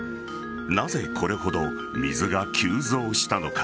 なぜこれほど水が急増したのか。